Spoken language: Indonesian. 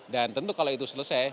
dan tentu kalau itu selesai